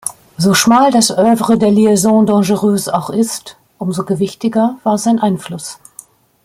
So schmal das Œuvre der Liaisons Dangereuses auch ist, umso gewichtiger war sein Einfluss.